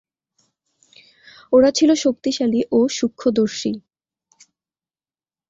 ওরা ছিল শক্তিশালী ও সূক্ষ্মদর্শী।